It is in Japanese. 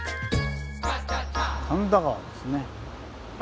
神田川ですね。